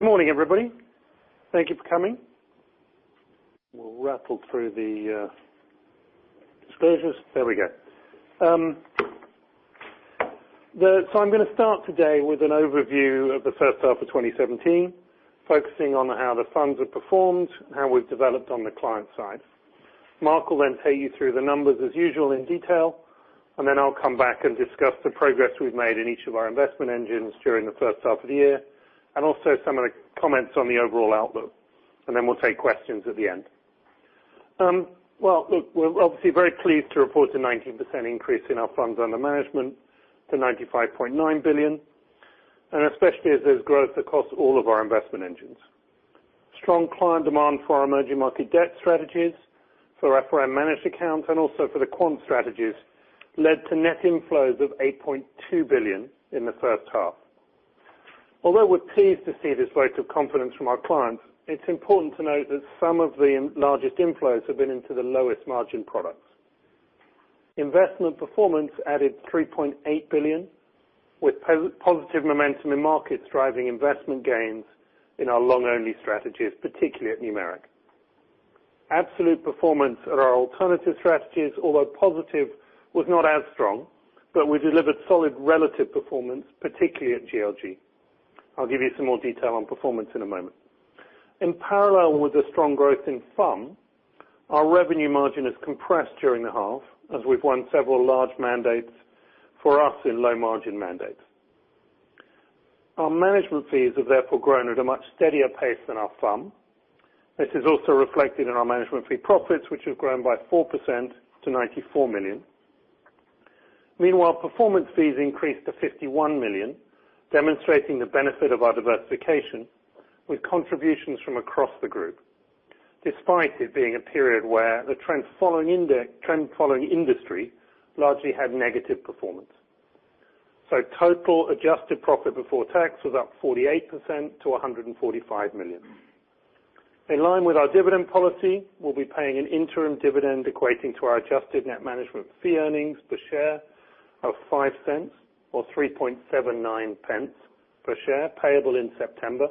Morning, everybody. Thank you for coming. We'll rattle through the disclosures. There we go. I'm going to start today with an overview of the first half of 2017, focusing on how the funds have performed and how we've developed on the client side. Mark will take you through the numbers as usual, in detail. I'll come back and discuss the progress we've made in each of our investment engines during the first half of the year, and also some of the comments on the overall outlook. We'll take questions at the end. We're obviously very pleased to report a 19% increase in our funds under management to 95.9 billion, and especially as there's growth across all of our investment engines. Strong client demand for our emerging market debt strategies, for our foreign managed accounts, and also for the quant strategies led to net inflows of 8.2 billion in the first half. Although we're pleased to see this vote of confidence from our clients, it's important to note that some of the largest inflows have been into the lowest margin products. Investment performance added 3.8 billion, with positive momentum in markets driving investment gains in our long-only strategies, particularly at Numeric. Absolute performance at our alternative strategies, although positive, was not as strong, but we delivered solid relative performance, particularly at GLG. I'll give you some more detail on performance in a moment. In parallel with the strong growth in FUM, our revenue margin has compressed during the half as we've won several large mandates for us in low-margin mandates. Our management fees have therefore grown at a much steadier pace than our FUM. This is also reflected in our management fee profits, which have grown by 4% to 94 million. Meanwhile, performance fees increased to 51 million, demonstrating the benefit of our diversification with contributions from across the group, despite it being a period where the trend following industry largely had negative performance. Total adjusted profit before tax was up 48% to 145 million. In line with our dividend policy, we'll be paying an interim dividend equating to our adjusted net management fee earnings per share of $0.05 or 0.0379 per share payable in September,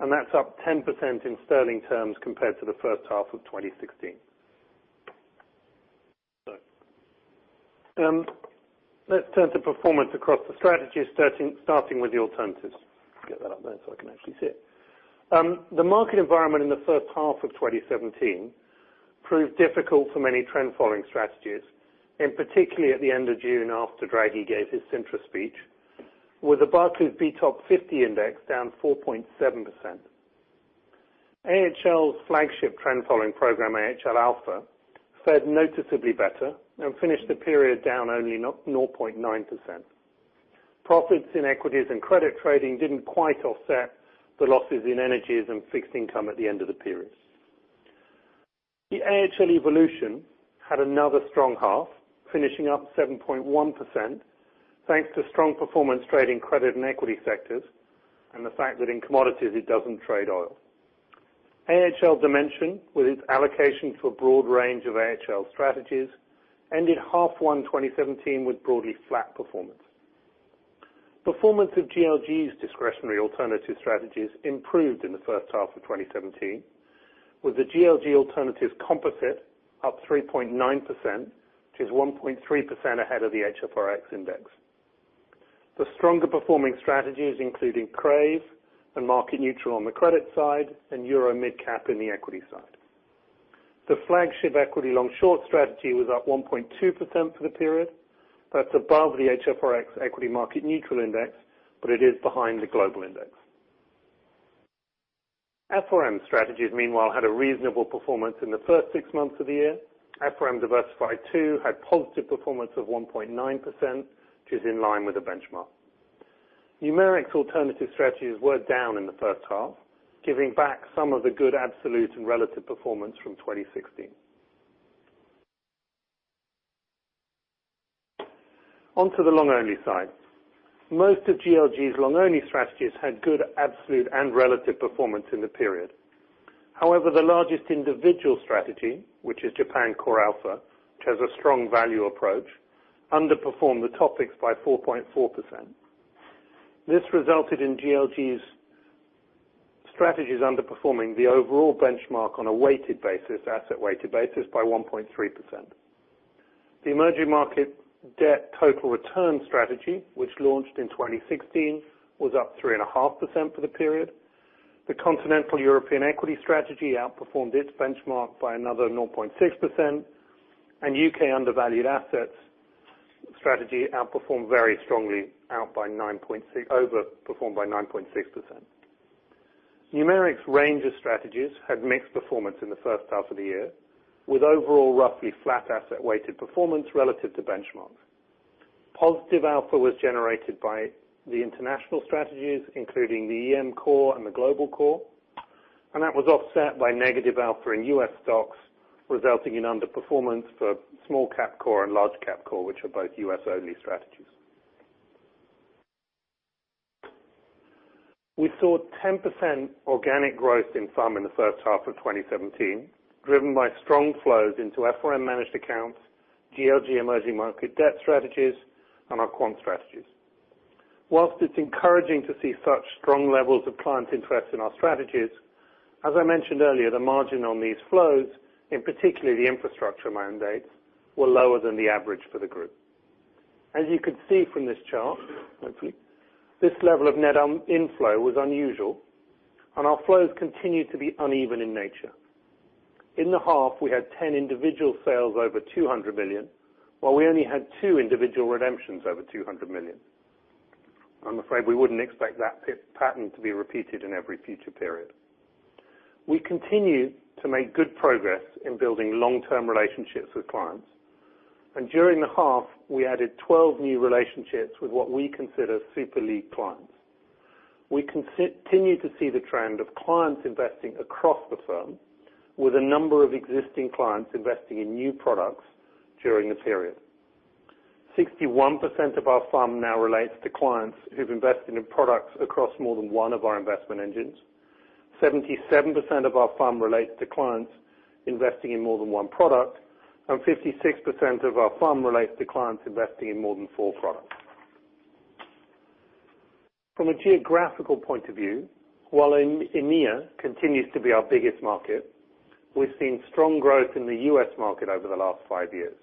and that's up 10% in sterling terms compared to the first half of 2016. Let's turn to performance across the strategies, starting with the alternatives. Get that up there so I can actually see it. The market environment in the first half of 2017 proved difficult for many trend following strategies, particularly at the end of June, after Draghi gave his Sintra speech, with the Barclay BTOP50 Index down 4.7%. AHL's flagship trend following program, AHL Alpha, fared noticeably better and finished the period down only 0.9%. Profits in equities and credit trading didn't quite offset the losses in energies and fixed income at the end of the period. The AHL Evolution had another strong half, finishing up 7.1%, thanks to strong performance trading credit and equity sectors and the fact that in commodities, it doesn't trade oil. AHL Dimension, with its allocation to a broad range of AHL strategies, ended half 1, 2017 with broadly flat performance. Performance of GLG's discretionary alternative strategies improved in the first half of 2017, with the GLG Alternatives composite up 3.9%, which is 1.3% ahead of the HFRX Index. The stronger performing strategies, including CRAVE and Market Neutral on the credit side and Euro Mid Cap in the equity side. The flagship equity long-short strategy was up 1.2% for the period. That's above the HFRX Equity Market Neutral Index, but it is behind the global index. FRM strategies, meanwhile, had a reasonable performance in the first six months of the year. FRM Diversified II had positive performance of 1.9%, which is in line with the benchmark. Numeric's alternative strategies were down in the first half, giving back some of the good absolute and relative performance from 2016. On to the long only side. Most of GLG's long only strategies had good absolute and relative performance in the period. The largest individual strategy, which is Japan CoreAlpha, which has a strong value approach, underperformed the TOPIX by 4.4%. This resulted in GLG's strategies underperforming the overall benchmark on a weighted basis, asset weighted basis, by 1.3%. The emerging market debt total return strategy, which launched in 2016, was up 3.5% for the period. The continental European equity strategy outperformed its benchmark by another 0.6%. UK Undervalued Assets strategy outperformed very strongly, overperformed by 9.6%. Numeric's range of strategies had mixed performance in the first half of the year, with overall roughly flat asset weighted performance relative to benchmark. Positive alpha was generated by the international strategies, including the EM Core and the Global Core, and that was offset by negative alpha in U.S. stocks, resulting in underperformance for Small Cap Core and Large Cap Core, which are both U.S.-only strategies. We saw 10% organic growth in FUM in the first half of 2017, driven by strong flows into FRM managed accounts, GLG emerging market debt strategies and our quant strategies. Whilst it's encouraging to see such strong levels of client interest in our strategies, as I mentioned earlier, the margin on these flows, in particular the infrastructure mandates, were lower than the average for the group. As you can see from this chart, this level of net inflow was unusual, and our flows continued to be uneven in nature. In the half, we had 10 individual sales over 200 million, while we only had two individual redemptions over 200 million. I'm afraid we wouldn't expect that pattern to be repeated in every future period. We continue to make good progress in building long-term relationships with clients. During the half, we added 12 new relationships with what we consider super lead clients. We continue to see the trend of clients investing across the firm with a number of existing clients investing in new products during the period. 61% of our FUM now relates to clients who've invested in products across more than one of our investment engines. 77% of our FUM relates to clients investing in more than one product, 56% of our FUM relates to clients investing in more than four products. From a geographical point of view, while EMEA continues to be our biggest market, we've seen strong growth in the U.S. market over the last five years.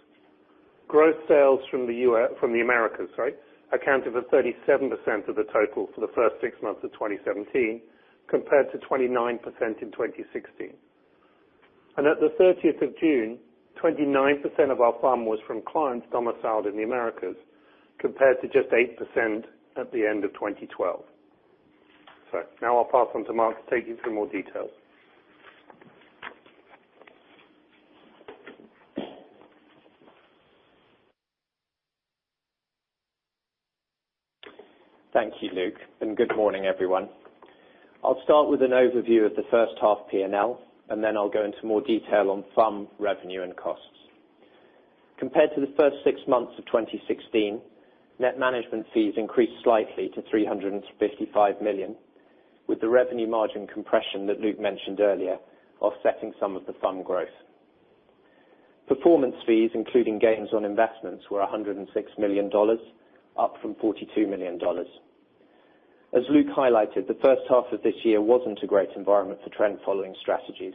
Growth sales from the Americas accounted for 37% of the total for the first six months of 2017, compared to 29% in 2016. At the 30th of June, 29% of our FUM was from clients domiciled in the Americas, compared to just 8% at the end of 2012. Now I'll pass on to Mark to take you through more details. Thank you, Luke, and good morning, everyone. I'll start with an overview of the first half P&L, then I'll go into more detail on FUM revenue and costs. Compared to the first six months of 2016, net management fees increased slightly to $355 million, with the revenue margin compression that Luke mentioned earlier offsetting some of the FUM growth. Performance fees, including gains on investments, were $106 million, up from $42 million. As Luke highlighted, the first half of this year wasn't a great environment for trend following strategies.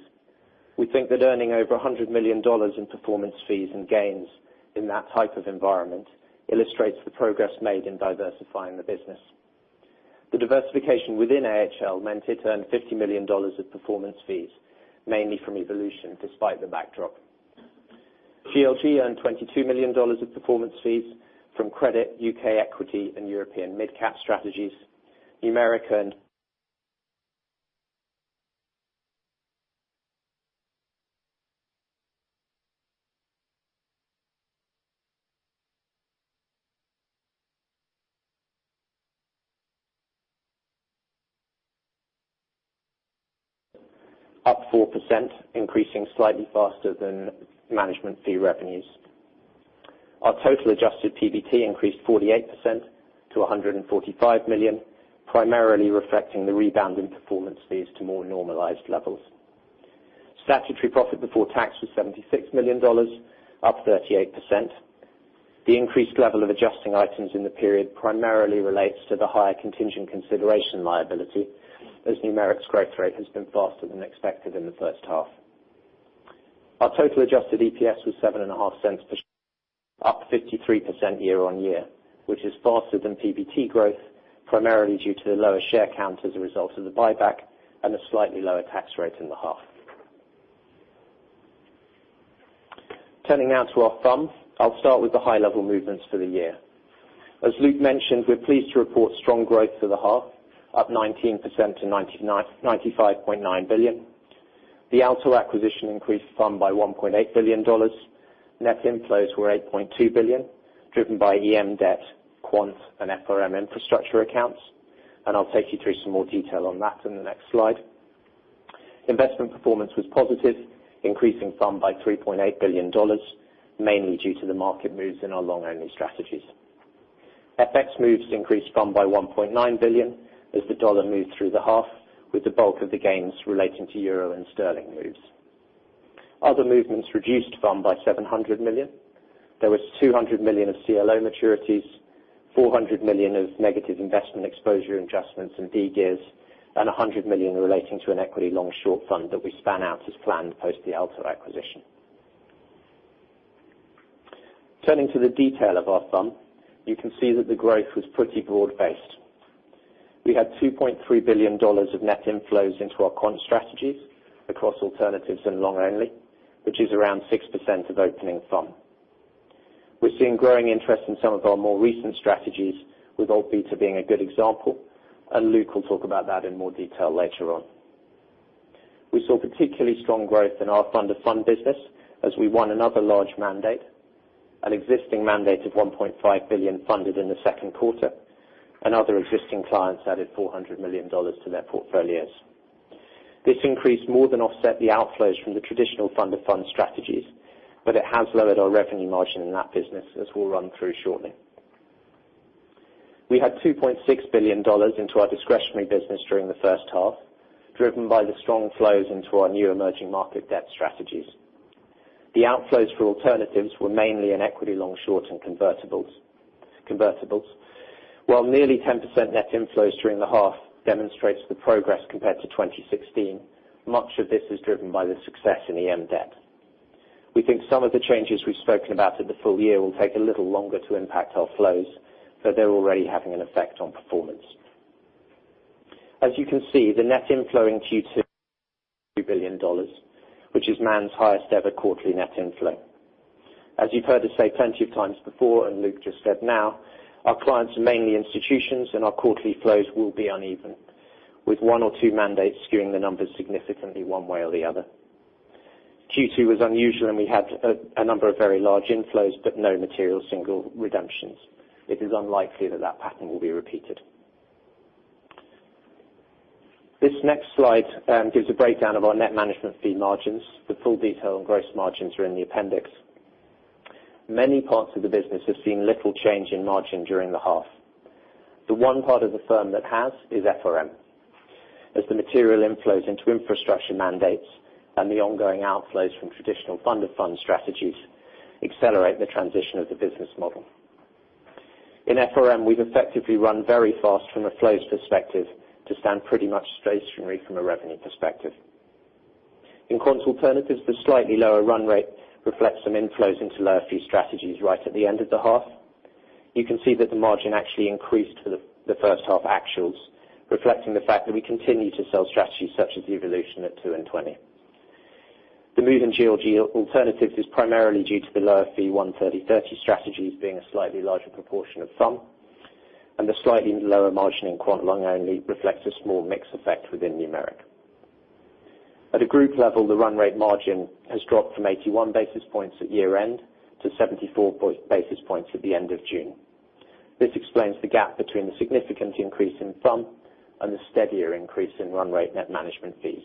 We think that earning over $100 million in performance fees and gains in that type of environment illustrates the progress made in diversifying the business. The diversification within Man AHL meant it earned $50 million of performance fees, mainly from AHL Evolution, despite the backdrop. Man GLG earned $22 million of performance fees from Credit Relative Value, U.K. equity, and Euro Mid Cap strategies. Man Numeric up 4%, increasing slightly faster than management fee revenues. Our total adjusted PBT increased 48% to $145 million, primarily reflecting the rebound in performance fees to more normalized levels. Statutory profit before tax was $76 million, up 38%. The increased level of adjusting items in the period primarily relates to the higher contingent consideration liability, as Man Numeric's growth rate has been faster than expected in the first half. Our total adjusted EPS was $0.075, up 53% year-on-year, which is faster than PBT growth, primarily due to the lower share count as a result of the buyback and a slightly lower tax rate in the half. Now to our FUM, I'll start with the high-level movements for the year. As Luke mentioned, we're pleased to report strong growth for the half, up 19% to $95.9 billion. The Aalto acquisition increased FUM by $1.8 billion. Net inflows were $8.2 billion, driven by EM debt, quant, and Man FRM infrastructure accounts. I'll take you through some more detail on that in the next slide. Investment performance was positive, increasing FUM by $3.8 billion, mainly due to the market moves in our long-only strategies. FX moves increased FUM by $1.9 billion as the dollar moved through the half, with the bulk of the gains relating to EUR and GBP moves. Other movements reduced FUM by $700 million. There was $200 million of CLO maturities, $400 million of negative investment exposure adjustments and DDIs, and $100 million relating to an equity long-short fund that we spun out as planned post the Aalto acquisition. To the detail of our FUM, you can see that the growth was pretty broad-based. We had $2.3 billion of net inflows into our quant strategies across alternatives and long only, which is around 6% of opening FUM. We are seeing growing interest in some of our more recent strategies, with Alt Beta being a good example, Luke will talk about that in more detail later on. We saw particularly strong growth in our fund of funds business as we won another large mandate, an existing mandate of $1.5 billion funded in the second quarter. Other existing clients added $400 million to their portfolios. This increase more than offset the outflows from the traditional fund of funds strategies, but it has lowered our revenue margin in that business, as we will run through shortly. We had $2.6 billion into our discretionary business during the first half, driven by the strong flows into our new emerging market debt strategies. The outflows for alternatives were mainly in equity long short and convertibles. While nearly 10% net inflows during the half demonstrates the progress compared to 2016, much of this is driven by the success in EM debt. We think some of the changes we have spoken about in the full year will take a little longer to impact our flows, they are already having an effect on performance. As you can see, the net inflow in Q2, $2 billion, which is Man's highest-ever quarterly net inflow. As you have heard us say plenty of times before, Luke just said now, our clients are mainly institutions, our quarterly flows will be uneven, with one or two mandates skewing the numbers significantly one way or the other. Q2 was unusual, we had a number of very large inflows but no material single redemptions. It is unlikely that that pattern will be repeated. This next slide gives a breakdown of our net management fee margins. The full detail on gross margins are in the appendix. Many parts of the business have seen little change in margin during the half. The one part of the firm that has is FRM, as the material inflows into infrastructure mandates and the ongoing outflows from traditional fund of funds strategies accelerate the transition of the business model. In FRM, we have effectively run very fast from a flows perspective to stand pretty much stationary from a revenue perspective. In Quant Alternatives, the slightly lower run rate reflects some inflows into lower fee strategies right at the end of the half. You can see that the margin actually increased for the first half actuals, reflecting the fact that we continue to sell strategies such as AHL Evolution at two and 20. The move in Man GLG Alternatives is primarily due to the lower fee 130/30 strategies being a slightly larger proportion of FUM, the slightly lower margin in Quant Long Only reflects a small mix effect within Numeric. At a group level, the run rate margin has dropped from 81 basis points at year-end to 74 basis points at the end of June. This explains the gap between the significant increase in FUM and the steadier increase in run rate net management fees,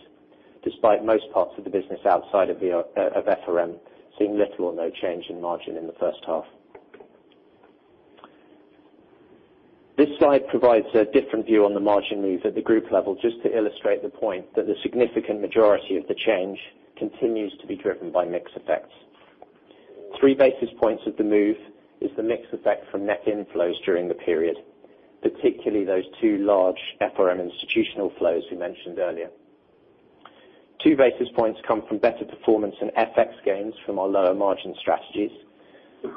despite most parts of the business outside of FRM seeing little or no change in margin in the first half. This slide provides a different view on the margin move at the group level, just to illustrate the point that the significant majority of the change continues to be driven by mix effects. Three basis points of the move is the mix effect from net inflows during the period, particularly those two large FRM institutional flows we mentioned earlier. Two basis points come from better performance in FX gains from our lower margin strategies.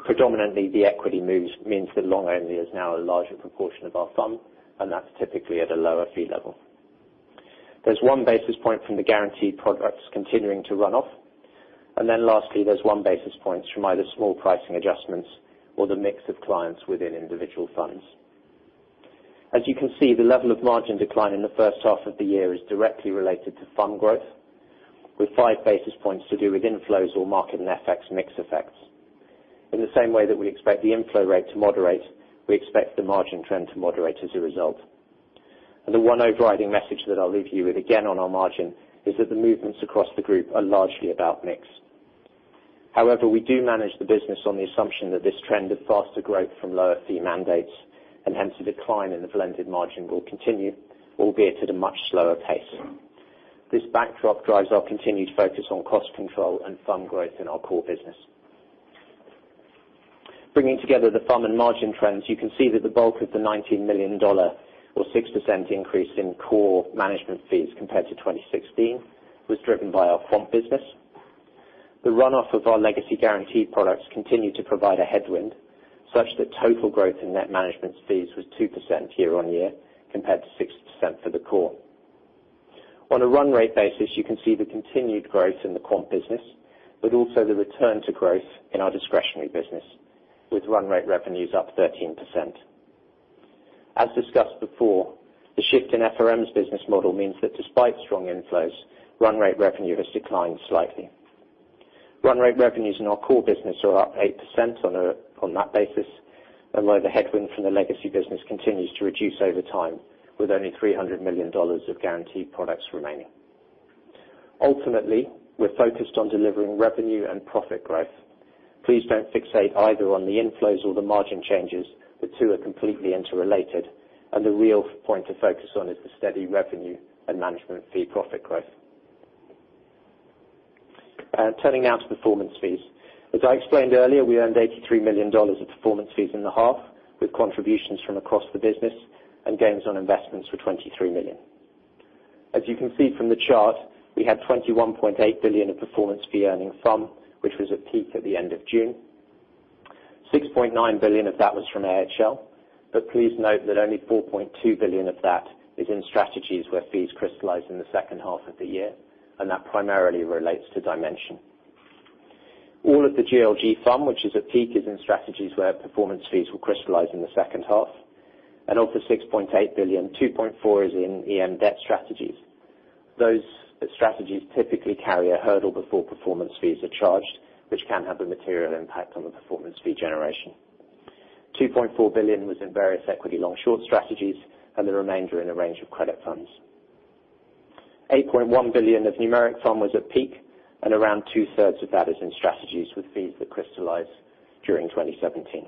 Predominantly, the equity moves means that long only is now a larger proportion of our FUM, and that's typically at a lower fee level. There's one basis point from the guaranteed products continuing to run off. Lastly, there's one basis point from either small pricing adjustments or the mix of clients within individual funds. As you can see, the level of margin decline in the first half of the year is directly related to FUM growth, with five basis points to do with inflows or market and FX mix effects. In the same way that we expect the inflow rate to moderate, we expect the margin trend to moderate as a result. The one overriding message that I'll leave you with, again, on our margin is that the movements across the group are largely about mix. However, we do manage the business on the assumption that this trend of faster growth from lower fee mandates and hence a decline in the blended margin will continue, albeit at a much slower pace. This backdrop drives our continued focus on cost control and FUM growth in our core business. Bringing together the FUM and margin trends, you can see that the bulk of the $19 million, or 6% increase in core management fees compared to 2016, was driven by our FUM business. The run-off of our legacy guaranteed products continued to provide a headwind, such that total growth in net management fees was 2% year-on-year, compared to 6% for the core. On a run rate basis, you can see the continued growth in the Quant business, but also the return to growth in our discretionary business, with run rate revenues up 13%. As discussed before, the shift in FRM's business model means that despite strong inflows, run rate revenue has declined slightly. Run rate revenues in our core business are up 8% on that basis, although the headwind from the legacy business continues to reduce over time, with only $300 million of guaranteed products remaining. Ultimately, we're focused on delivering revenue and profit growth. Please don't fixate either on the inflows or the margin changes. The two are completely interrelated. The real point to focus on is the steady revenue and management fee profit growth. Turning now to performance fees. As I explained earlier, we earned $83 million of performance fees in the half, with contributions from across the business and gains on investments for $23 million. As you can see from the chart, we had $21.8 billion of performance fee earning FUM, which was at peak at the end of June. $6.9 billion of that was from AHL, but please note that only $4.2 billion of that is in strategies where fees crystallize in the second half of the year, and that primarily relates to AHL Dimension. All of the GLG FUM, which is at peak, is in strategies where performance fees will crystallize in the second half. Of the $6.8 billion, $2.4 billion is in EM debt strategies. Those strategies typically carry a hurdle before performance fees are charged, which can have a material impact on the performance fee generation. $2.4 billion was in various equity long short strategies, and the remainder in a range of credit funds. $8.1 billion of Numeric fund was at peak, and around two-thirds of that is in strategies with fees that crystallized during 2017.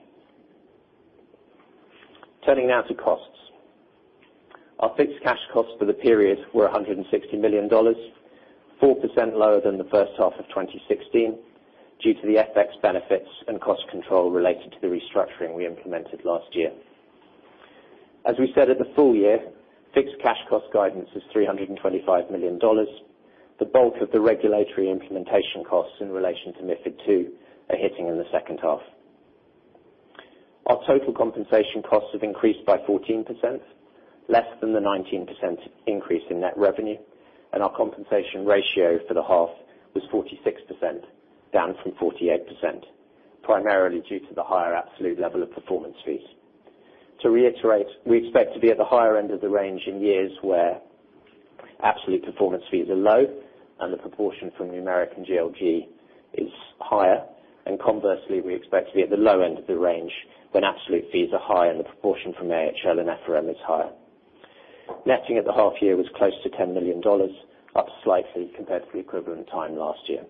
Turning now to costs. Our fixed cash costs for the period were $160 million, 4% lower than the first half of 2016, due to the FX benefits and cost control related to the restructuring we implemented last year. As we said at the full year, fixed cash cost guidance is $325 million. The bulk of the regulatory implementation costs in relation to MiFID II are hitting in the second half. Our total compensation costs have increased by 14%, less than the 19% increase in net revenue, and our compensation ratio for the half was 46%, down from 48%, primarily due to the higher absolute level of performance fees. To reiterate, we expect to be at the higher end of the range in years where absolute performance fees are low and the proportion from Numeric and GLG is higher. Conversely, we expect to be at the low end of the range when absolute fees are high and the proportion from AHL and FRM is higher. Netting at the half year was close to $10 million, up slightly compared to the equivalent time last year.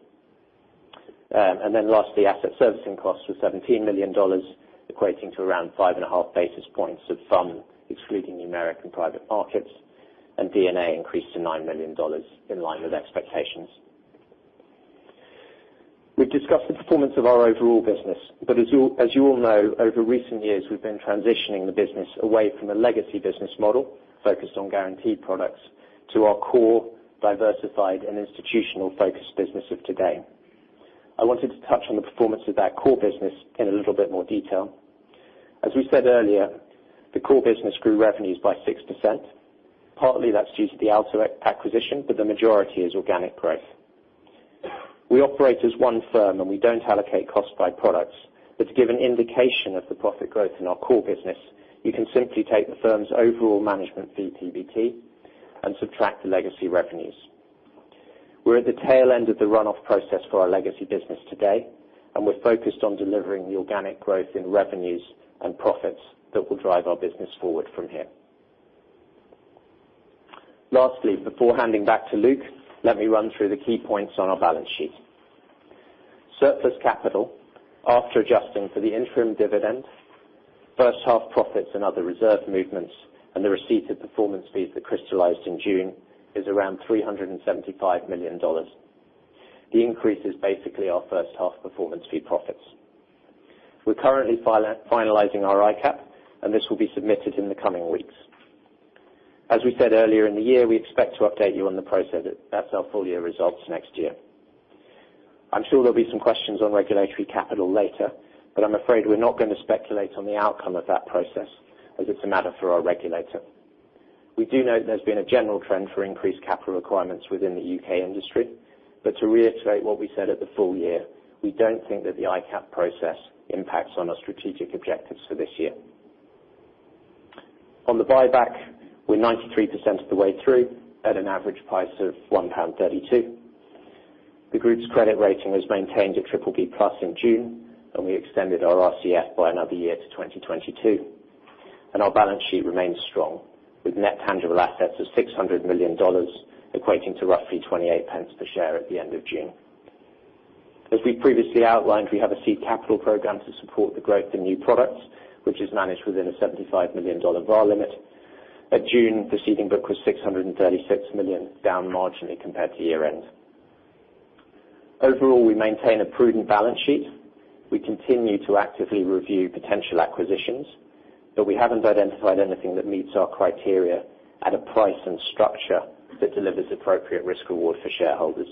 Lastly, asset servicing costs were $17 million, equating to around five and a half basis points of fund, excluding Numeric and private markets, and D&A increased to $9 million in line with expectations. We've discussed the performance of our overall business. As you all know, over recent years, we've been transitioning the business away from a legacy business model focused on guaranteed products to our core diversified and institutional-focused business of today. I wanted to touch on the performance of that core business in a little bit more detail. As we said earlier, the core business grew revenues by 6%. Partly that's due to the Aalto acquisition, but the majority is organic growth. We operate as one firm and we don't allocate cost by products. To give an indication of the profit growth in our core business, you can simply take the firm's overall management fee PBT and subtract the legacy revenues. We're at the tail end of the run-off process for our legacy business today. We're focused on delivering the organic growth in revenues and profits that will drive our business forward from here. Lastly, before handing back to Luke, let me run through the key points on our balance sheet. Surplus capital after adjusting for the interim dividend, first half profits and other reserve movements, and the receipt of performance fees that crystallized in June, is around $375 million. The increase is basically our first half performance fee profits. We're currently finalizing our ICAAP and this will be submitted in the coming weeks. As we said earlier in the year, we expect to update you on the process at our full-year results next year. I'm sure there'll be some questions on regulatory capital later, but I'm afraid we're not going to speculate on the outcome of that process, as it's a matter for our regulator. We do know there's been a general trend for increased capital requirements within the U.K. industry, but to reiterate what we said at the full year, we don't think that the ICAAP process impacts on our strategic objectives for this year. On the buyback, we're 93% of the way through at an average price of £1.32. The group's credit rating was maintained at BBB+ in June, and we extended our RCF by another year to 2022. Our balance sheet remains strong, with net tangible assets of $600 million, equating to roughly 0.28 per share at the end of June. As we previously outlined, we have a seed capital program to support the growth in new products, which is managed within a $75 million draw limit. At June, the seeding book was $636 million, down marginally compared to year-end. Overall, we maintain a prudent balance sheet. We continue to actively review potential acquisitions, but we haven't identified anything that meets our criteria at a price and structure that delivers appropriate risk reward for shareholders.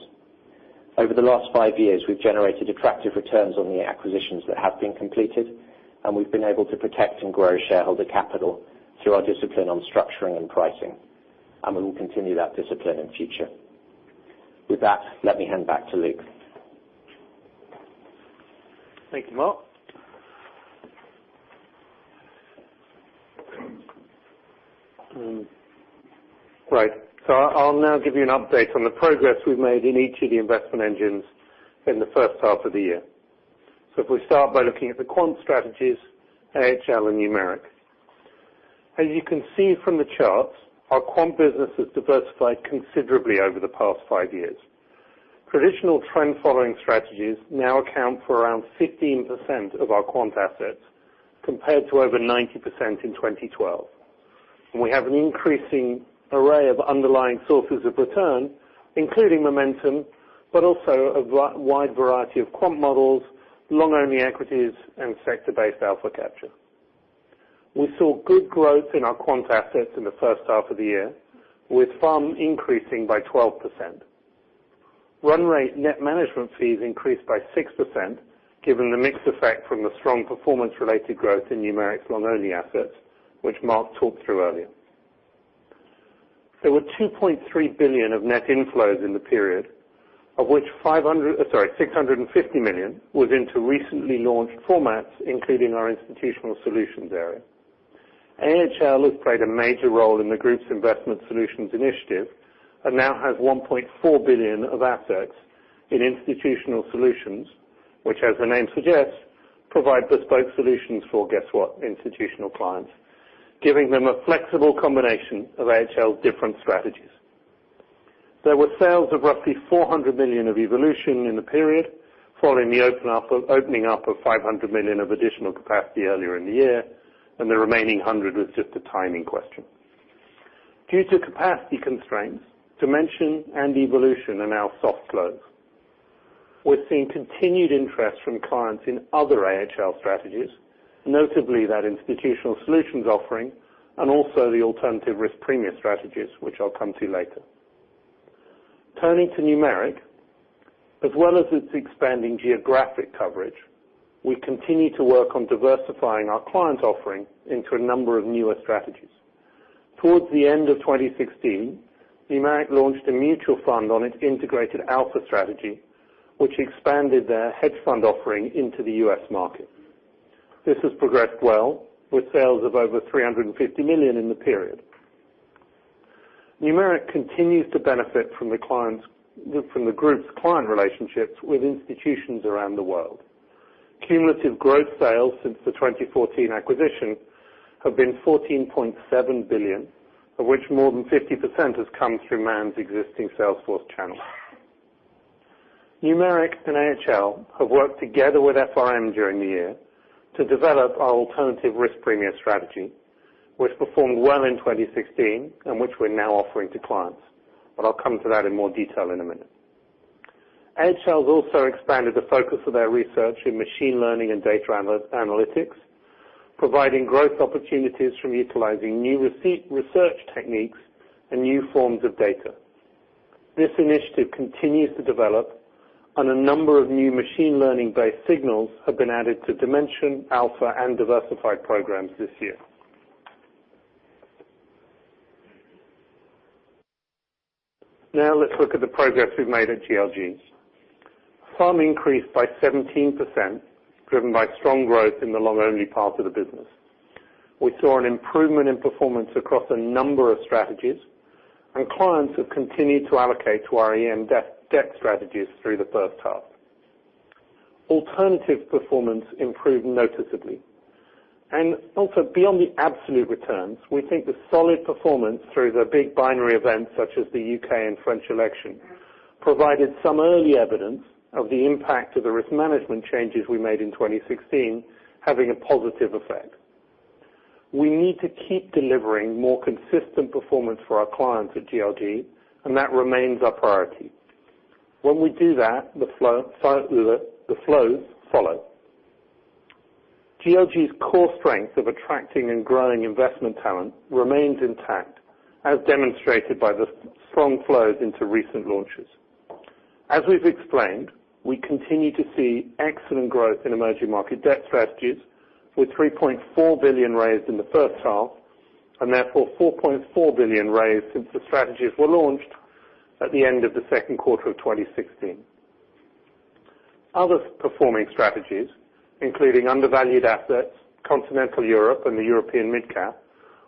Over the last five years, we've generated attractive returns on the acquisitions that have been completed, and we've been able to protect and grow shareholder capital through our discipline on structuring and pricing. We will continue that discipline in future. With that, let me hand back to Luke. Thank you, Mark. Right. I'll now give you an update on the progress we've made in each of the investment engines in the first half of the year. If we start by looking at the quant strategies, AHL and Numeric. As you can see from the charts, our quant business has diversified considerably over the past five years. Traditional trend following strategies now account for around 15% of our quant assets, compared to over 90% in 2012. We have an increasing array of underlying sources of return, including momentum, but also a wide variety of quant models, long-only equities, and sector-based alpha capture. We saw good growth in our quant assets in the first half of the year, with FUM increasing by 12%. Run rate net management fees increased by 6% given the mixed effect from the strong performance-related growth in Numeric's long-only assets, which Mark talked through earlier. There were $2.3 billion of net inflows in the period, of which $650 million was into recently launched formats, including our institutional solutions area. AHL has played a major role in the group's investment solutions initiative and now has $1.4 billion of assets in institutional solutions, which, as the name suggests, provide bespoke solutions for, guess what, institutional clients, giving them a flexible combination of AHL's different strategies. There were sales of roughly $400 million of Evolution in the period, following the opening up of $500 million of additional capacity earlier in the year, and the remaining $100 million was just a timing question. Due to capacity constraints, Dimension and Evolution are now soft-closed. We're seeing continued interest from clients in other AHL strategies, notably that institutional solutions offering, and also the alternative risk premium strategies, which I'll come to later. Turning to Numeric. As well as its expanding geographic coverage, we continue to work on diversifying our clients offering into a number of newer strategies. Towards the end of 2016, Numeric launched a mutual fund on its Integrated Alpha strategy, which expanded their hedge fund offering into the U.S. market. This has progressed well with sales of over 350 million in the period. Numeric continues to benefit from the group's client relationships with institutions around the world. Cumulative growth sales since the 2014 acquisition have been 14.7 billion, of which more than 50% has come through Man's existing sales force channels. Numeric and AHL have worked together with FRM during the year to develop our alternative risk premium strategy, which performed well in 2016 and which we're now offering to clients. I'll come to that in more detail in a minute. AHL has also expanded the focus of their research in machine learning and data analytics, providing growth opportunities from utilizing new research techniques and new forms of data. This initiative continues to develop, and a number of new machine learning-based signals have been added to Dimension, Alpha, and Diversified programs this year. Let's look at the progress we've made at GLG. AUM increased by 17%, driven by strong growth in the long-only part of the business. We saw an improvement in performance across a number of strategies, and clients have continued to allocate to our EM debt strategies through the first half. Alternative performance improved noticeably. Also beyond the absolute returns, we think the solid performance through the big binary events such as the U.K. and French election, provided some early evidence of the impact of the risk management changes we made in 2016, having a positive effect. We need to keep delivering more consistent performance for our clients at GLG, and that remains our priority. When we do that, the flows follow. GLG's core strength of attracting and growing investment talent remains intact, as demonstrated by the strong flows into recent launches. As we've explained, we continue to see excellent growth in emerging market debt strategies, with 3.4 billion raised in the first half, and therefore 4.4 billion raised since the strategies were launched at the end of the second quarter of 2016. Other performing strategies, including undervalued assets, Continental Europe, and the Euro Mid Cap,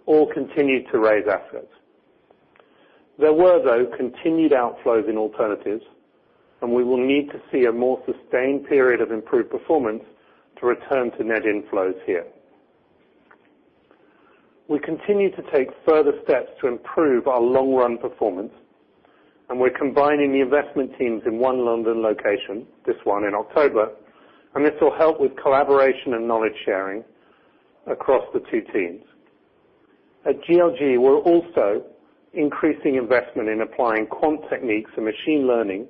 all continued to raise assets. There were, though, continued outflows in alternatives, and we will need to see a more sustained period of improved performance to return to net inflows here. We continue to take further steps to improve our long-run performance. We're combining the investment teams in one London location this one in October, and this will help with collaboration and knowledge sharing across the two teams. At GLG, we're also increasing investment in applying quant techniques and machine learning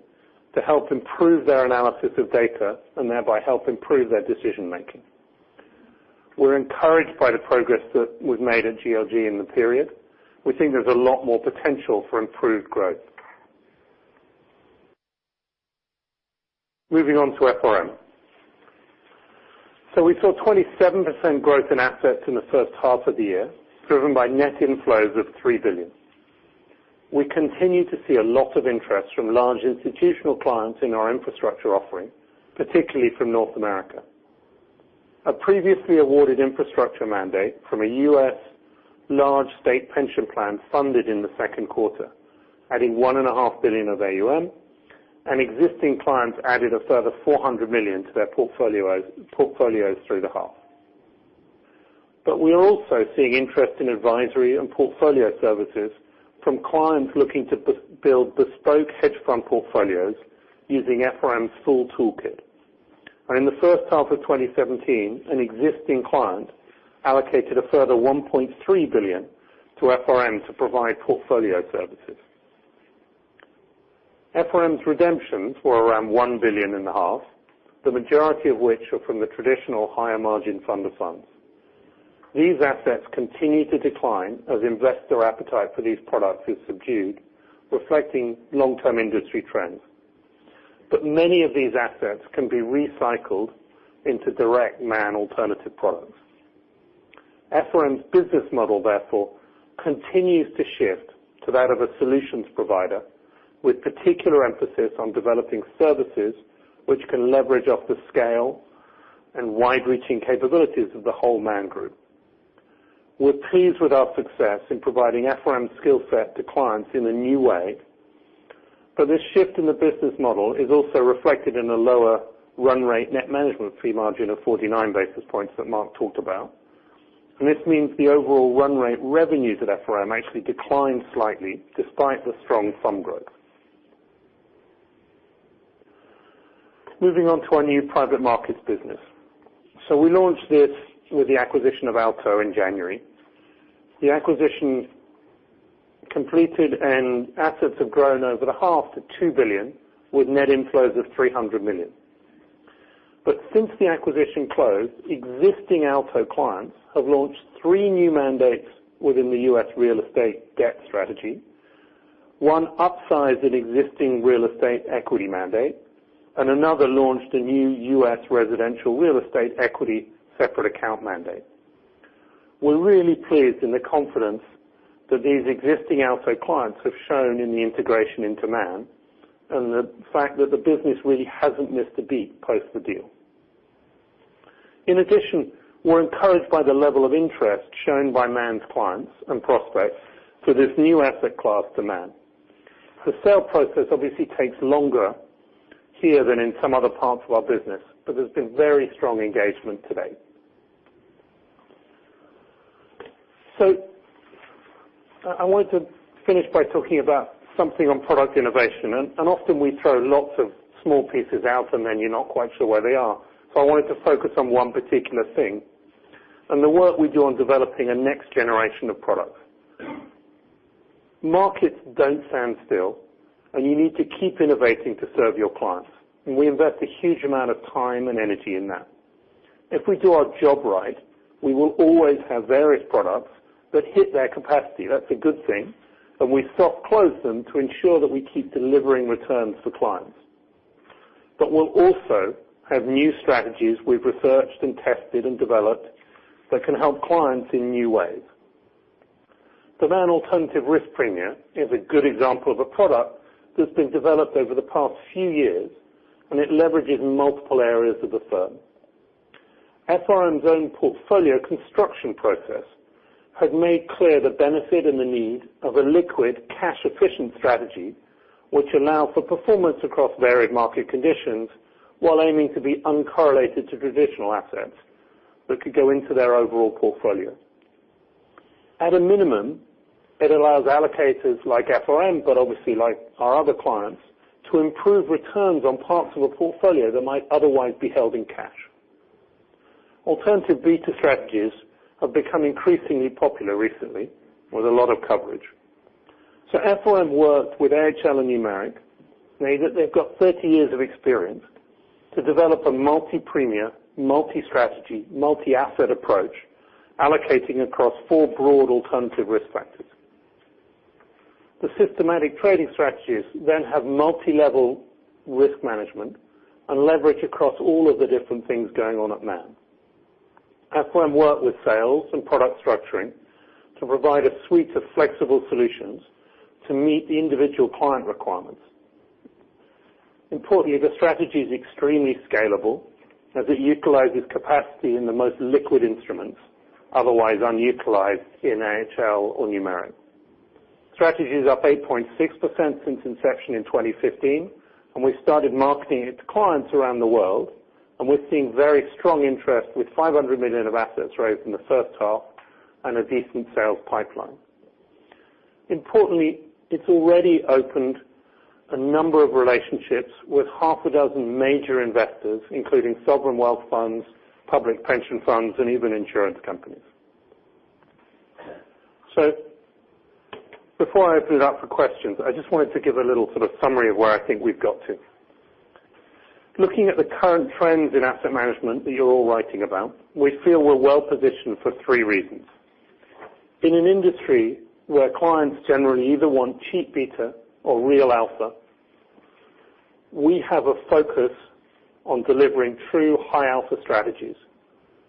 to help improve their analysis of data and thereby help improve their decision-making. We're encouraged by the progress that was made at GLG in the period. We think there's a lot more potential for improved growth. Moving on to FRM. We saw 27% growth in assets in the first half of the year, driven by net inflows of 3 billion. We continue to see a lot of interest from large institutional clients in our infrastructure offering, particularly from North America. A previously awarded infrastructure mandate from a U.S. large state pension plan funded in the second quarter, adding 1.5 billion of AUM, and existing clients added a further 400 million to their portfolios through the half. We are also seeing interest in advisory and portfolio services from clients looking to build bespoke hedge fund portfolios using FRM's full toolkit. In the first half of 2017, an existing client allocated a further 1.3 billion to FRM to provide portfolio services. FRM's redemptions were around 1.5 billion, the majority of which are from the traditional higher-margin fund of funds. These assets continue to decline as investor appetite for these products is subdued, reflecting long-term industry trends. Many of these assets can be recycled into direct Man alternative products. FRM's business model, therefore, continues to shift to that of a solutions provider with particular emphasis on developing services which can leverage off the scale and wide-reaching capabilities of the whole Man Group. We're pleased with our success in providing FRM skill set to clients in a new way. This shift in the business model is also reflected in a lower run rate net management fee margin of 49 basis points that Mark talked about. This means the overall run rate revenues at FRM actually declined slightly despite the strong fund growth. Moving on to our new private markets business. We launched this with the acquisition of Aalto in January. The acquisition completed and assets have grown over the half to 2 billion, with net inflows of 300 million. Since the acquisition closed, existing Aalto clients have launched three new mandates within the U.S. real estate debt strategy. One upsized an existing real estate equity mandate, and another launched a new U.S. residential real estate equity separate account mandate. We're really pleased in the confidence that these existing Aalto clients have shown in the integration into Man and the fact that the business really hasn't missed a beat post the deal. In addition, we're encouraged by the level of interest shown by Man's clients and prospects for this new asset class to Man. The sale process obviously takes longer here than in some other parts of our business, but there's been very strong engagement to date. I wanted to finish by talking about something on product innovation, and often we throw lots of small pieces out, and then you're not quite sure where they are. I wanted to focus on one particular thing and the work we do on developing a next generation of products. Markets don't stand still, and you need to keep innovating to serve your clients. We invest a huge amount of time and energy in that. If we do our job right, we will always have various products that hit their capacity. That's a good thing. We soft close them to ensure that we keep delivering returns for clients. We'll also have new strategies we've researched and tested and developed that can help clients in new ways. The Man Alternative Risk Premia is a good example of a product that's been developed over the past few years, and it leverages multiple areas of the firm. FRM's own portfolio construction process has made clear the benefit and the need of a liquid, cash-efficient strategy, which allow for performance across varied market conditions while aiming to be uncorrelated to traditional assets that could go into their overall portfolio. At a minimum, it allows allocators like FRM, but obviously like our other clients, to improve returns on parts of a portfolio that might otherwise be held in cash. Alternative Beta strategies have become increasingly popular recently with a lot of coverage. FRM worked with AHL and Numeric, now they've got 30 years of experience to develop a multi-premia, multi-strategy, multi-asset approach, allocating across four broad alternative risk factors. The systematic trading strategies have multilevel risk management and leverage across all of the different things going on at Man. FRM worked with sales and product structuring to provide a suite of flexible solutions to meet the individual client requirements. Importantly, the strategy is extremely scalable as it utilizes capacity in the most liquid instruments, otherwise unutilized in AHL or Numeric. Strategy is up 8.6% since inception in 2015, and we started marketing it to clients around the world, and we're seeing very strong interest with $500 million of assets raised in the first half and a decent sales pipeline. Importantly, it's already opened a number of relationships with half a dozen major investors, including sovereign wealth funds, public pension funds, and even insurance companies. Before I open it up for questions, I just wanted to give a little sort of summary of where I think we've got to. Looking at the current trends in asset management that you're all writing about, we feel we're well positioned for three reasons. In an industry where clients generally either want cheap beta or real alpha, we have a focus on delivering true high alpha strategies,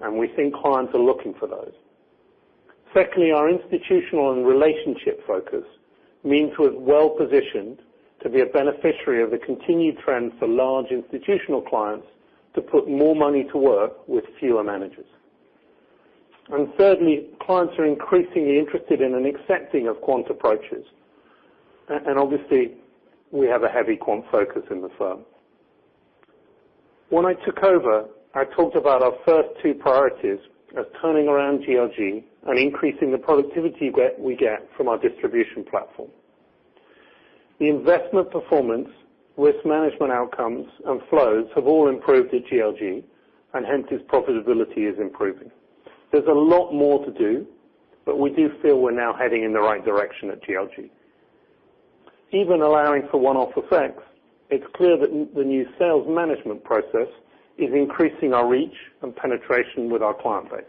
and we think clients are looking for those. Secondly, our institutional and relationship focus means we're well positioned to be a beneficiary of the continued trend for large institutional clients to put more money to work with fewer managers. Thirdly, clients are increasingly interested in and accepting of quant approaches. Obviously, we have a heavy quant focus in the firm. When I took over, I talked about our first two priorities as turning around GLG and increasing the productivity we get from our distribution platform. The investment performance, risk management outcomes, and flows have all improved at GLG, and hence its profitability is improving. There's a lot more to do, but we do feel we're now heading in the right direction at GLG. Even allowing for one-off effects, it's clear that the new sales management process is increasing our reach and penetration with our client base.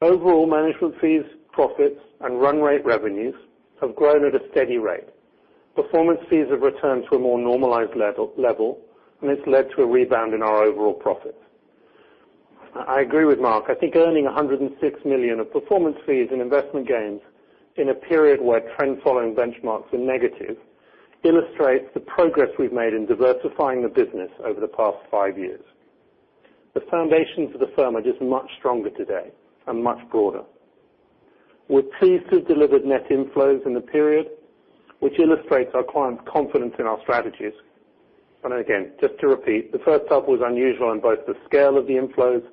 Overall management fees, profits, and run rate revenues have grown at a steady rate. Performance fees have returned to a more normalized level, and it's led to a rebound in our overall profits. I agree with Mark. I think earning $106 million of performance fees and investment gains in a period where trend following benchmarks were negative illustrates the progress we've made in diversifying the business over the past five years. The foundation for the firm is much stronger today and much broader. We're pleased to have delivered net inflows in the period, which illustrates our clients' confidence in our strategies. Again, just to repeat, the first half was unusual in both the scale of the inflows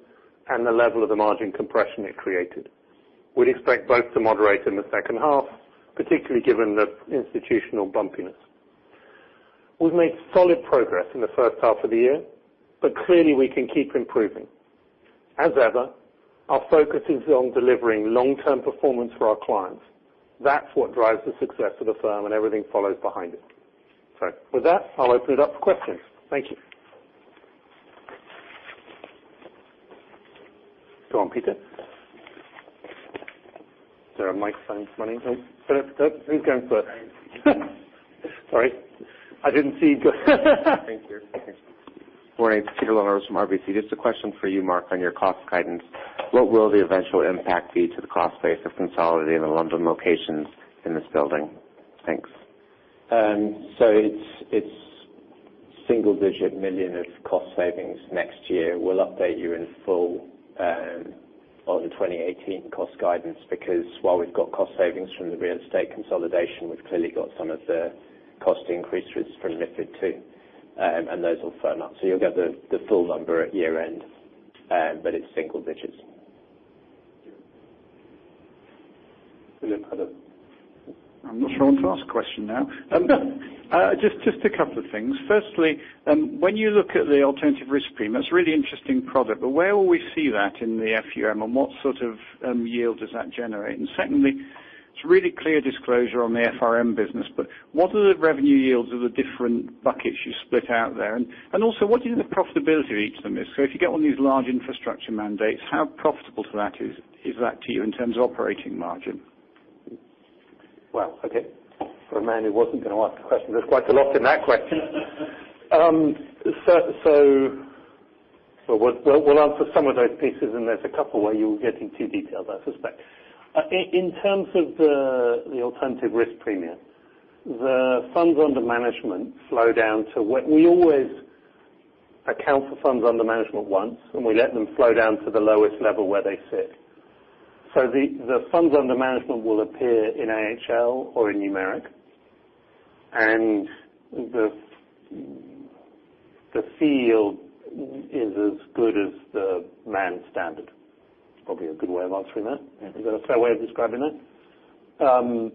and the level of the margin compression it created. We'd expect both to moderate in the second half, particularly given the institutional bumpiness. We've made solid progress in the first half of the year, clearly, we can keep improving. As ever, our focus is on delivering long-term performance for our clients. That's what drives the success of the firm and everything follows behind it. With that, I'll open it up for questions. Thank you. Go on, Peter. Is there a mic coming my way? Philip, he's going for it. Sorry, I didn't see you. Thank you. Morning, Peter Larsen from RBC. Just a question for you, Mark, on your cost guidance. What will the eventual impact be to the cost base of consolidating the London locations in this building? Thanks. It's single-digit million of cost savings next year. We'll update you in full on the 2018 cost guidance because while we've got cost savings from the real estate consolidation, we've clearly got some of the cost increases from MiFID II, and those will firm up. You'll get the full number at year-end, it's single digits. Philip, had a- I'm not sure I want to ask a question now. Just a couple of things. Firstly, when you look at the alternative risk premia, it's a really interesting product, but where will we see that in the FUM, and what sort of yield does that generate? Secondly, it's a really clear disclosure on the FRM business, but what are the revenue yields of the different buckets you split out there? Also, what is the profitability of each of them? If you get one of these large infrastructure mandates, how profitable is that to you in terms of operating margin? Well, okay. For a man who wasn't going to ask a question, there's quite a lot in that question. We'll answer some of those pieces, and there's a couple where you were getting too detailed, I suspect. In terms of the alternative risk premia, the funds under management flow down to We always account for funds under management once, and we let them flow down to the lowest level where they sit. The funds under management will appear in AHL or in Numeric, and the fee is as good as the Man standard. Probably a good way of answering that. Is that a fair way of describing that?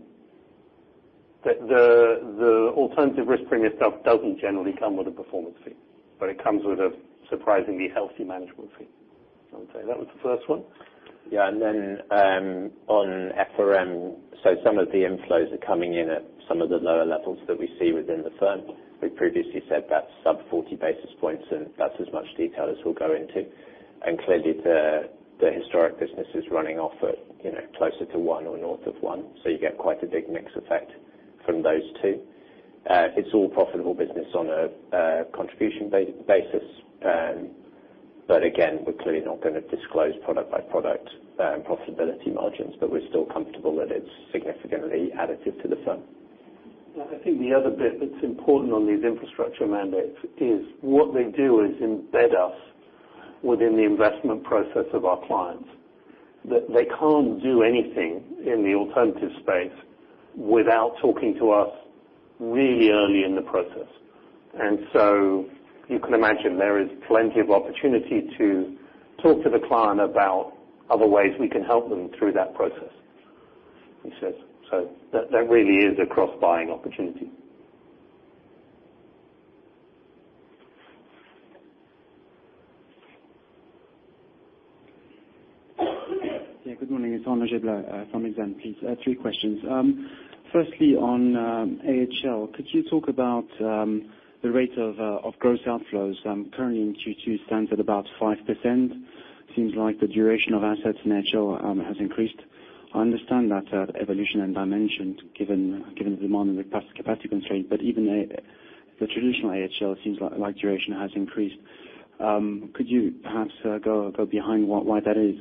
The alternative risk premia stuff doesn't generally come with a performance fee, but it comes with a surprisingly healthy management fee. I would say that was the first one. Yeah. On FRM, some of the inflows are coming in at some of the lower levels that we see within the firm. We previously said that sub 40 basis points, and that's as much detail as we'll go into. Clearly, the historic business is running off at closer to one or north of one. You get quite a big mix effect from those two. It's all profitable business on a contribution basis. Again, we're clearly not going to disclose product by product profitability margins, but we're still comfortable that it's significantly additive to the firm. I think the other bit that's important on these infrastructure mandates is what they do is embed us within the investment process of our clients. That they can't do anything in the alternative space without talking to us really early in the process. You can imagine there is plenty of opportunity to talk to the client about other ways we can help them through that process. That really is a cross-buying opportunity. Good morning. It is Arnaud Giblat from Exane. Three questions. Firstly, on AHL, could you talk about the rate of gross outflows? Currently, in Q2, it stands at about 5%. Seems like the duration of assets in AHL has increased. I understand that AHL Evolution and AHL Dimension given the demand and the capacity constraint, but even the traditional AHL seems like duration has increased. Could you perhaps go behind why that is?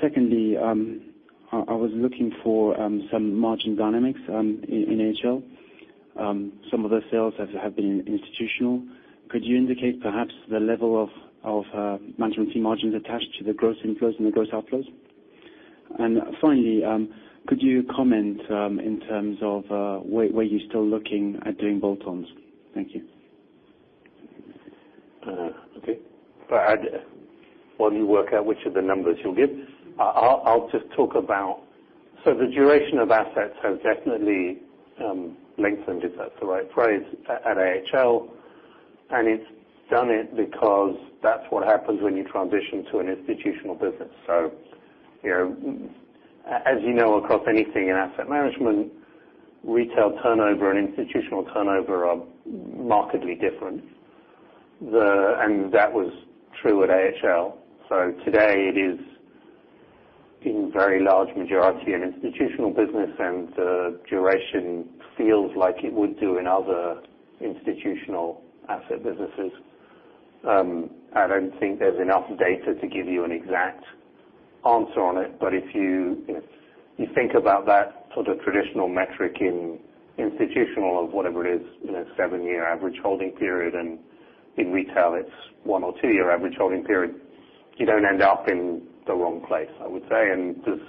Secondly, I was looking for some margin dynamics in AHL. Some of the sales have been institutional. Could you indicate perhaps the level of management fee margins attached to the gross inflows and the gross outflows? Finally, could you comment in terms of were you still looking at doing bolt-ons? Thank you. Okay. While you work out which of the numbers you will give, I will just talk about The duration of assets has definitely lengthened, if that is the right phrase, at AHL, and it has done it because that is what happens when you transition to an institutional business. As you know, across anything in asset management, retail turnover and institutional turnover are markedly different. That was true at AHL. Today it is in very large majority an institutional business and the duration feels like it would do in other institutional asset businesses. I do not think there is enough data to give you an exact answer on it. But if you think about that traditional metric in institutional of whatever it is, seven-year average holding period, and in retail it is one or two-year average holding period, you do not end up in the wrong place, I would say. There is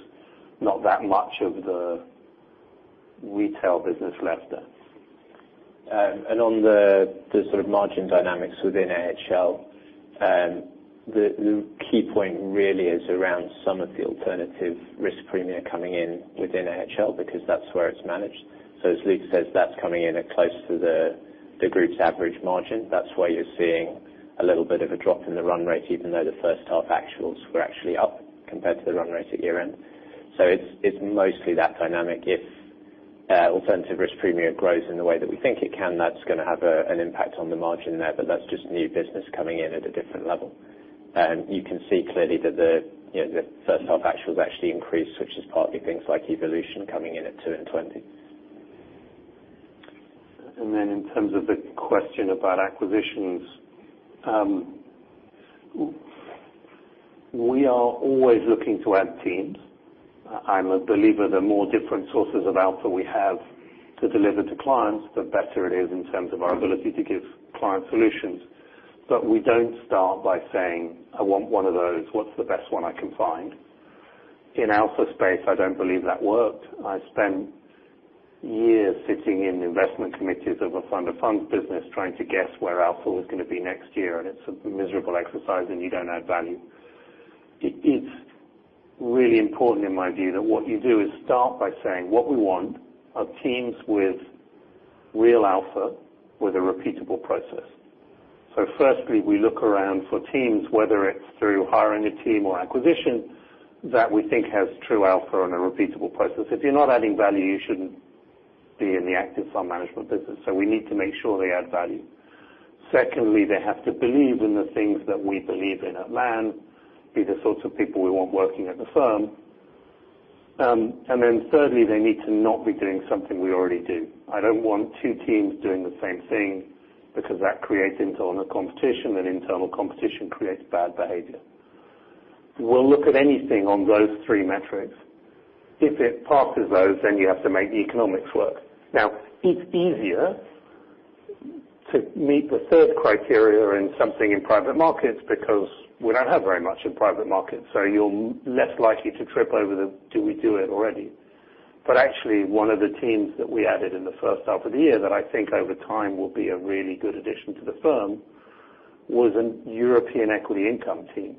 not that much of the retail business left there. On the margin dynamics within AHL. The key point really is around some of the alternative risk premia coming in within AHL, because that is where it is managed. As Luke says, that is coming in at close to the group's average margin. That is why you are seeing a little bit of a drop in the run rate, even though the first half actuals were actually up compared to the run rate at year-end. It is mostly that dynamic. If alternative risk premia grows in the way that we think it can, that is going to have an impact on the margin there, but that is just new business coming in at a different level. You can see clearly that the first half actuals actually increased, which is partly things like AHL Evolution coming in at 2 and 20. In terms of the question about acquisitions. We are always looking to add teams. I'm a believer the more different sources of alpha we have to deliver to clients, the better it is in terms of our ability to give clients solutions. We don't start by saying, "I want one of those. What's the best one I can find?" In alpha space, I don't believe that works. I spent years sitting in investment committees of a fund of funds business, trying to guess where alpha was going to be next year, and it's a miserable exercise, and you don't add value. It's really important, in my view, that what you do is start by saying, what we want are teams with real alpha, with a repeatable process. Firstly, we look around for teams, whether it's through hiring a team or acquisition, that we think has true alpha and a repeatable process. If you're not adding value, you shouldn't be in the active fund management business. We need to make sure they add value. Secondly, they have to believe in the things that we believe in at Man, be the sorts of people we want working at the firm. Thirdly, they need to not be doing something we already do. I don't want two teams doing the same thing because that creates internal competition, and internal competition creates bad behavior. We'll look at anything on those three metrics. If it passes those, then you have to make the economics work. It's easier to meet the third criteria in something in private markets because we don't have very much in private markets, so you're less likely to trip over the, do we do it already? One of the teams that we added in the first half of the year that I think over time will be a really good addition to the firm was a European equity income team.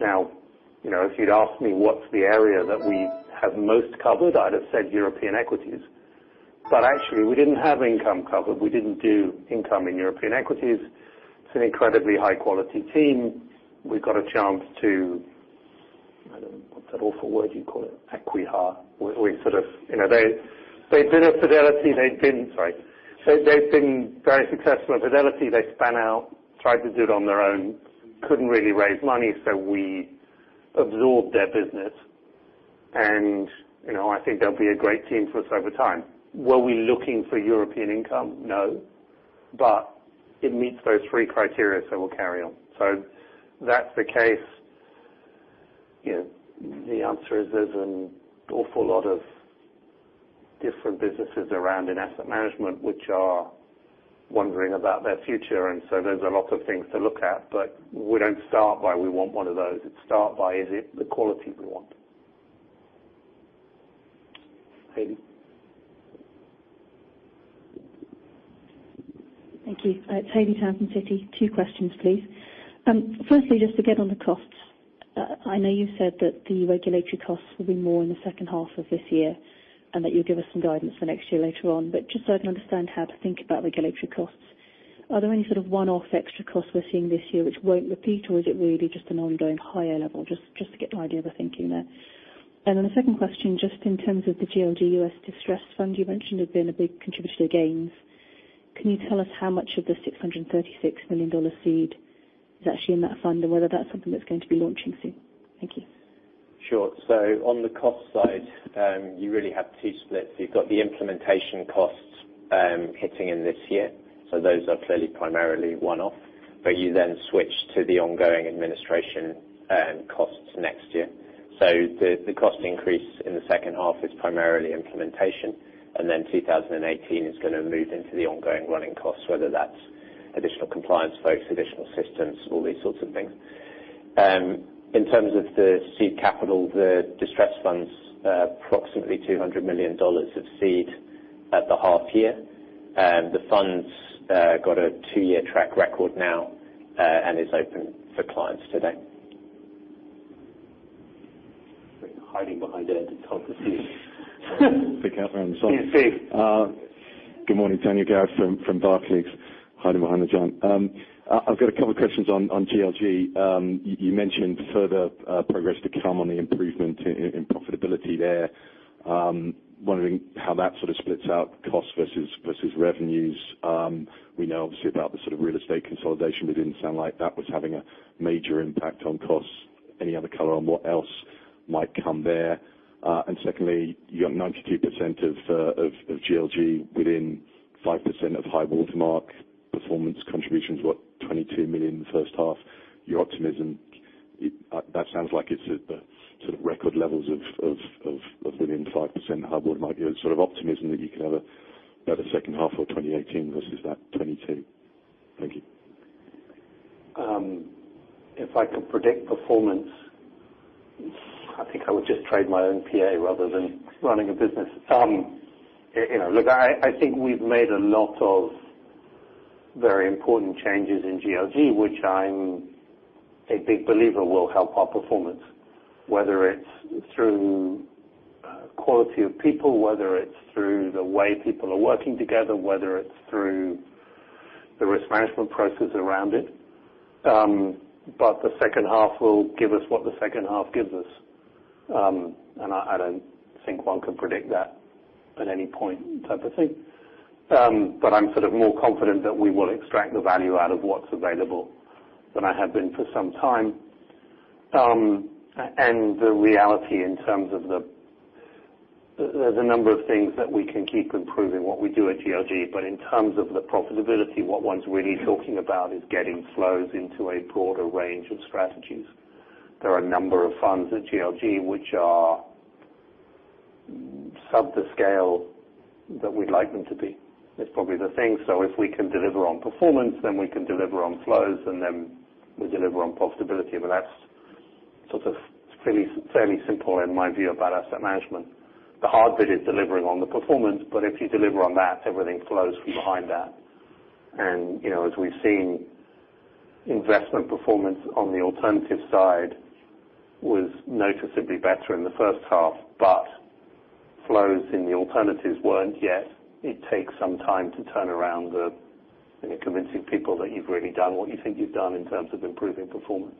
If you'd asked me what's the area that we have most covered, I'd have said European equities. We didn't have income covered. We didn't do income in European equities. It's an incredibly high-quality team. We got a chance to, what's that awful word you call it? Acqui-hire. They've been at Fidelity. They've been very successful at Fidelity. They spun out, tried to do it on their own, couldn't really raise money, so we absorbed their business. I think they'll be a great team for us over time. Were we looking for European income? No. It meets those three criteria, so we'll carry on. That's the case. The answer is there's an awful lot of different businesses around in asset management which are wondering about their future, and so there's a lot of things to look at. We don't start by, we want one of those. It start by, is it the quality we want? Haley. Thank you. It's Haley Tam from Citi. Two questions, please. Firstly, to get on the costs. I know you said that the regulatory costs will be more in the second half of this year and that you'll give us some guidance for next year later on, but so I can understand how to think about regulatory costs. Are there any one-off extra costs we're seeing this year which won't repeat, or is it really an ongoing higher level? To get an idea of the thinking there. The second question, in terms of the GLG US distress fund you mentioned had been a big contributor to gains. Can you tell us how much of the GBP 636 million seed is actually in that fund, and whether that's something that's going to be launching soon? Thank you. Sure. On the cost side, you really have two splits. You've got the implementation costs hitting in this year. Those are clearly primarily one-off. You then switch to the ongoing administration costs next year. The cost increase in the second half is primarily implementation. 2018 is going to move into the ongoing running costs, whether that's additional compliance folks, additional systems, all these sorts of things. In terms of the seed capital, the distress funds, approximately GBP 200 million of seed at the half year. The fund's got a two-year track record now, and is open for clients today. Hiding behind there. It's hard to see. Peek out around the side. Yeah, Steve. Good morning. Daniel Garrod from Barclays, hiding behind a giant. I've got a couple questions on GLG. You mentioned further progress to come on the improvement in profitability there. I'm wondering how that splits out cost versus revenues. We know obviously about the real estate consolidation, but didn't sound like that was having a major impact on costs. Any other color on what else might come there. Secondly, you have 92% of GLG within 5% of high-water mark performance contributions, what, $22 million the first half. Your optimism, that sounds like it's at the sort of record levels of within 5% high water mark. Is sort of optimism that you can have a better second half of 2018 versus that $22. Thank you. If I could predict performance, I think I would just trade my own PA rather than running a business. Look, I think we've made a lot of very important changes in GLG, which I'm a big believer will help our performance, whether it's through quality of people, whether it's through the way people are working together, whether it's through the risk management process around it. The second half will give us what the second half gives us. I don't think one can predict that at any point type of thing. I'm sort of more confident that we will extract the value out of what's available than I have been for some time. The reality in terms of There's a number of things that we can keep improving what we do at GLG, in terms of the profitability, what one's really talking about is getting flows into a broader range of strategies. There are a number of funds at GLG which are sub the scale that we'd like them to be. It's probably the thing. If we can deliver on performance, then we can deliver on flows, and then we deliver on profitability. That's sort of fairly simple in my view about asset management. The hard bit is delivering on the performance, if you deliver on that, everything flows from behind that. As we've seen, investment performance on the alternative side was noticeably better in the first half, but flows in the alternatives weren't yet. It takes some time to turn around the convincing people that you've really done what you think you've done in terms of improving performance.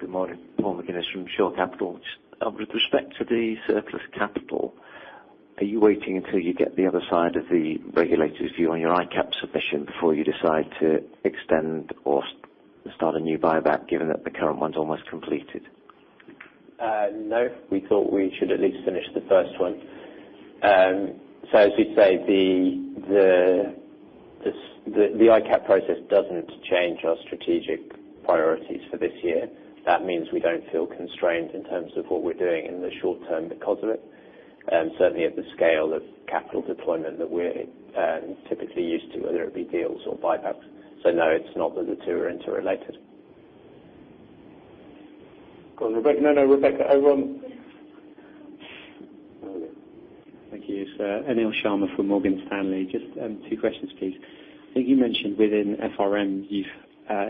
Good morning. Paul McGinnis from Shore Capital. With respect to the surplus capital, are you waiting until you get the other side of the regulator's view on your ICAAP submission before you decide to extend or start a new buyback, given that the current one's almost completed? No. We thought we should at least finish the first one. As we say, the ICAAP process doesn't change our strategic priorities for this year. That means we don't feel constrained in terms of what we're doing in the short term because of it, certainly at the scale of capital deployment that we're typically used to, whether it be deals or buybacks. No, it's not that the two are interrelated. Go on, Rebecca. No, Rebecca. Over. Thank you. It's Anil Sharma from Morgan Stanley. Just two questions, please. I think you mentioned within FRM, you've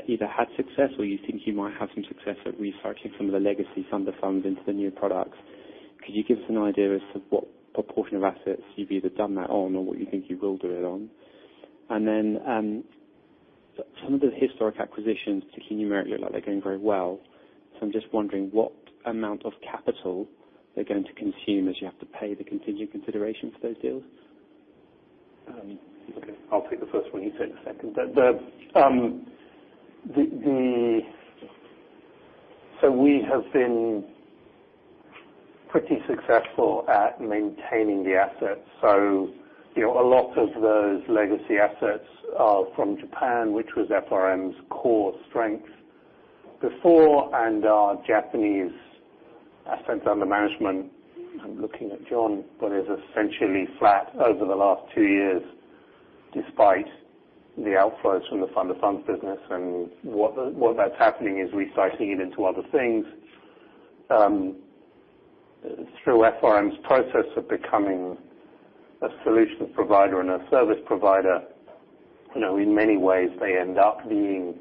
either had success or you think you might have some success at recycling some of the legacy fund of funds into the new products. Could you give us an idea as to what proportion of assets you've either done that on or what you think you will do it on? Some of the historic acquisitions, particularly Numeric, look like they're going very well. I'm just wondering what amount of capital they're going to consume as you have to pay the contingent consideration for those deals. Okay. I'll take the first one, you take the second. We have been pretty successful at maintaining the assets. A lot of those legacy assets are from Japan, which was FRM's core strength before. Our Japanese assets under management, I'm looking at John, but is essentially flat over the last two years, despite the outflows from the fund of funds business. What that's happening is recycling it into other things. Through FRM's process of becoming a solution provider and a service provider, in many ways they end up being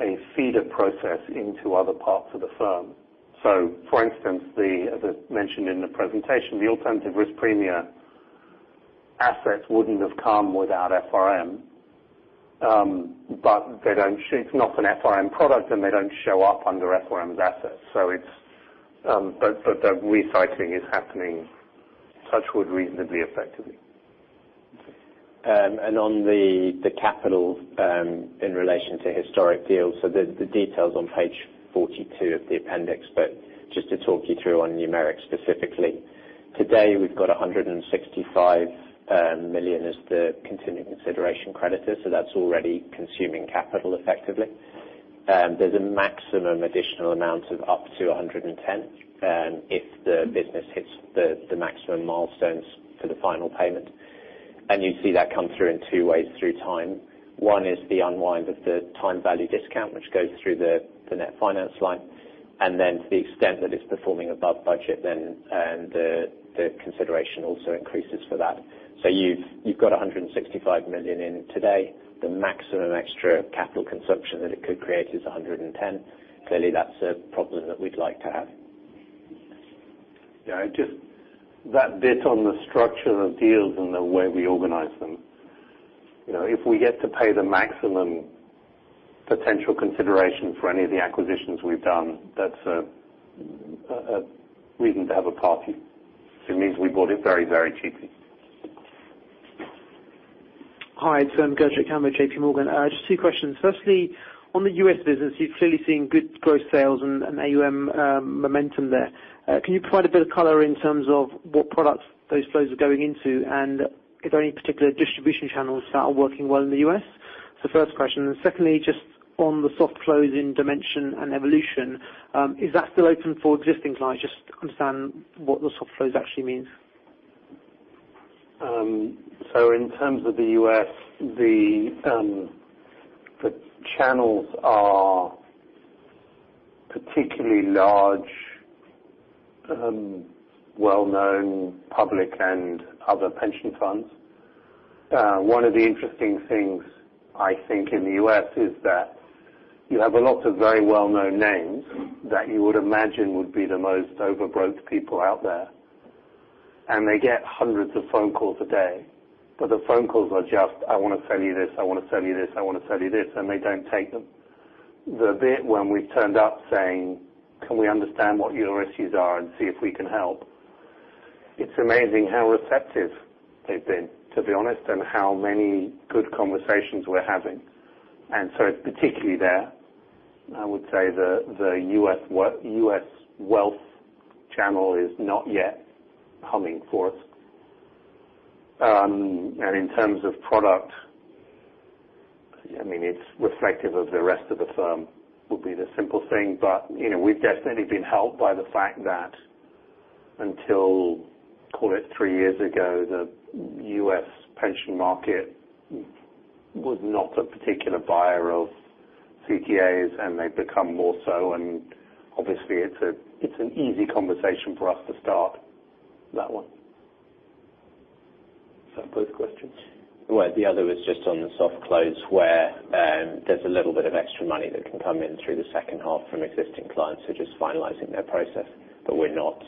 a feeder process into other parts of the firm. For instance, as I mentioned in the presentation, the alternative risk premia assets wouldn't have come without FRM. It's not an FRM product, and they don't show up under FRM's assets. The recycling is happening touch wood reasonably effectively. On the capital in relation to historic deals, the detail's on page 42 of the appendix. Just to talk you through on Numeric specifically. Today we've got 165 million as the continuing consideration creditor, that's already consuming capital effectively. There's a maximum additional amount of up to 110 if the business hits the maximum milestones for the final payment. You see that come through in two ways through time. One is the unwind of the time value discount, which goes through the net finance line. To the extent that it's performing above budget, the consideration also increases for that. You've got 165 million in today. The maximum extra capital consumption that it could create is 110. Clearly, that's a problem that we'd like to have. Yeah, just that bit on the structure of deals and the way we organize them. If we get to pay the maximum potential consideration for any of the acquisitions we've done, that's a reason to have a party. It means we bought it very, very cheaply. Hi, it's Gertjan Lammerts, JP Morgan. Just two questions. Firstly, on the U.S. business, you're clearly seeing good growth, sales, and AUM momentum there. Can you provide a bit of color in terms of what products those flows are going into, and are there any particular distribution channels that are working well in the U.S.? That's the first question. Secondly, just on the soft close in Dimension and Evolution, is that still open for existing clients? Just to understand what the soft close actually means. In terms of the U.S., the channels are particularly large, well-known public and other pension funds. One of the interesting things I think in the U.S. is that you have a lot of very well-known names that you would imagine would be the most overbroke people out there, and they get hundreds of phone calls a day. The phone calls are just, "I want to sell you this. I want to sell you this. I want to sell you this," and they don't take them. The bit when we turned up saying, "Can we understand what your issues are and see if we can help?" It's amazing how receptive they've been, to be honest, and how many good conversations we're having. Particularly there, I would say the U.S. wealth channel is not yet humming for us. In terms of product, it's reflective of the rest of the firm, would be the simple thing. We've definitely been helped by the fact that until, call it three years ago, the U.S. pension market was not a particular buyer of CTAs, and they've become more so. Obviously it's an easy conversation for us to start that one. Is that both questions? Well, the other was just on the soft close where there's a little bit of extra money that can come in through the second half from existing clients who are just finalizing their process. We're not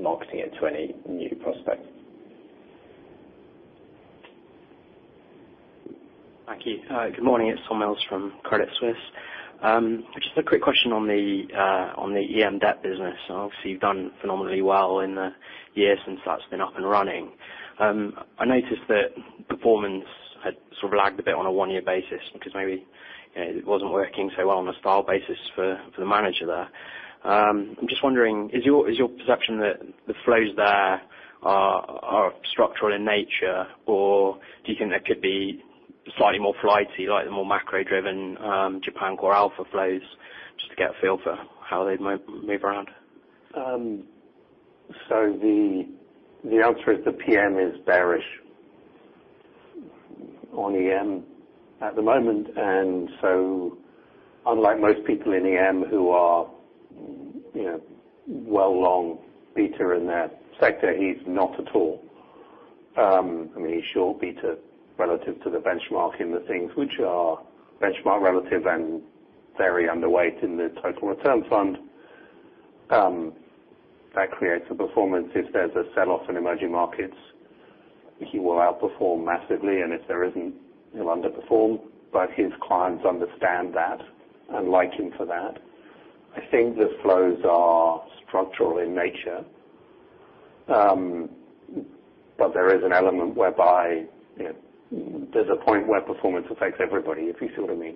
marketing it to any new prospects. Thank you. Good morning. It's Tom Mills from Credit Suisse. Just a quick question on the EM debt business. Obviously you've done phenomenally well in the year since that's been up and running. I noticed that performance had sort of lagged a bit on a one-year basis because maybe it wasn't working so well on a style basis for the manager there. I'm just wondering, is your perception that the flows there are structural in nature, or do you think they could be slightly more flighty, like the more macro-driven Japan CoreAlpha flows? Just to get a feel for how they might move around. The answer is the PM is bearish on EM at the moment. Unlike most people in EM who are well long beta in their sector, he's not at all. He's short beta relative to the benchmark in the things which are benchmark relative and very underweight in the total return fund. That creates a performance. If there's a sell-off in emerging markets, he will outperform massively, and if there isn't, he'll underperform. His clients understand that and like him for that. I think the flows are structural in nature. There is an element whereby there's a point where performance affects everybody, if you see what I mean.